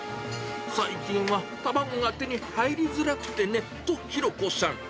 最近は卵が手に入りづらくてねと、博子さん。